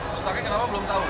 rusaknya kenapa belum tahu